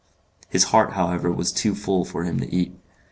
His heart, however, was too full for him to eat.